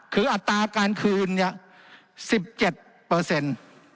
คืออัตราการคืนนี้สิบเจ็ดเปอร์เซ็นต์